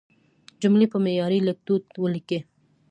جملې په معیاري لیکدود ولیکئ.